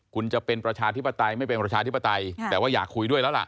คุณจะเป็นประชาธิปไตยไม่เป็นประชาธิปไตยแต่ว่าอยากคุยด้วยแล้วล่ะ